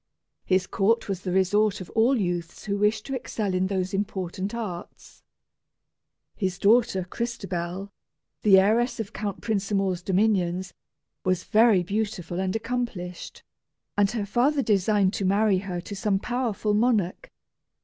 His court was the resort of all youths who wished to excel in those important arts. His daughter Crystabell, the heiress of Count Prinsamour's dominions, was very beautiful and accomplished, and her father designed to marry her to some powerful monarch.